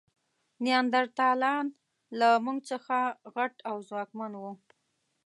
نیاندرتالان له موږ څخه غټ او ځواکمن وو.